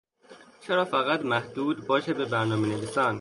چرا فقط محدود باشه به برنامهنویسان